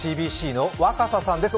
ＣＢＣの若狭さんです。